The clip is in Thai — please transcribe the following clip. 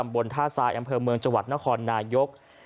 บนท่าทรายอำเภอเมืองจังหวัดนครนายก